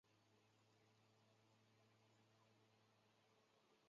官方语言为波斯语。